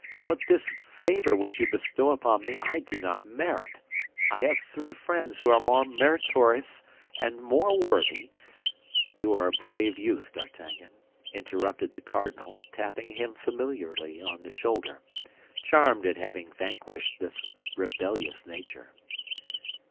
But this favor which you bestow upon me I do not merit. I have three friends who are more meritorious and more worthy—" "You are a brave youth, D'Artagnan," interrupted the cardinal, tapping him familiarly on the shoulder, charmed at having vanquished this rebellious nature.